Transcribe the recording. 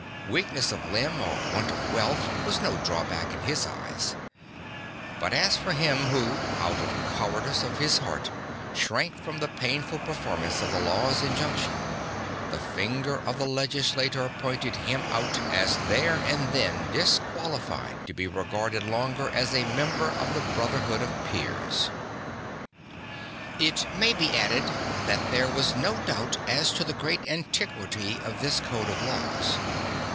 Weakness of limb or want of wealth (5) was no drawback in his eyes. But as for him who, out of the cowardice of his heart, shrank from the painful performance of the law's injunction, the finger of the legislator pointed him out as there and then disqualified to be regarded longer as a member of the brotherhood of peers. (6) (5) But see Aristot. "Pol." ii. 9, 32. (6) Grote, "H. G." viii. 81; "Hell." III. iii. 5. It may be added, that there was no doubt as to the great antiquity of this code of laws.